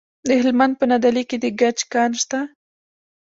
د هلمند په نادعلي کې د ګچ کان شته.